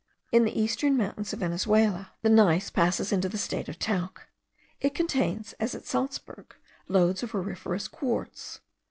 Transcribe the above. In these eastern mountains of Venezuela, the gneiss passes into the state of talc. It contains, as at Salzburg, lodes of auriferous quartz.